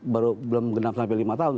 belum enam sampai lima tahun